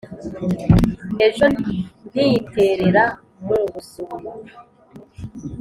ejo ntiterera mu rusuma